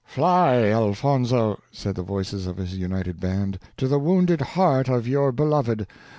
"Fly, Elfonzo," said the voices of his united band, "to the wounded heart of your beloved.